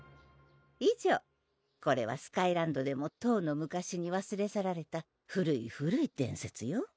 以上これはスカイランドでもとうの昔にわすれ去られた古い古い伝説よ